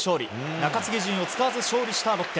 中継ぎ陣を使わず勝利したロッテ。